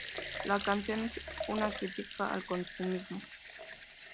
La canción es una critica al consumismo.